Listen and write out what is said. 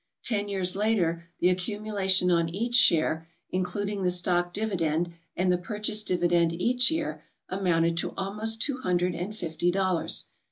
Ten years later the accumulation on each share, including the stock dividend and the purchase dividend each year, amounted to almost two hundred and fifty dollars.